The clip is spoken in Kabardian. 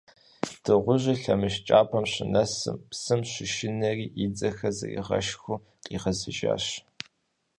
Дыгъужьыр лъэмыж кӀапэм щынэсым, псым щышынэри, и дзэхэр зэригъэшхыу къигъэзэжащ.